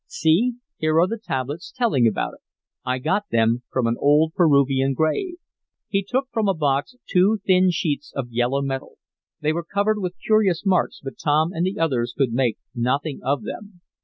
See! Here are the tablets telling about it. I got them from an old Peruvian grave." He took from a box two thin sheets of yellow metal. They were covered with curious marks, but Tom and the others could make nothing of them.